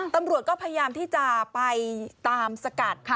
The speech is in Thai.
ตำรวจก็พยายามที่จะไปตามสกัด